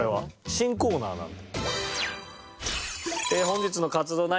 新コーナーなんで。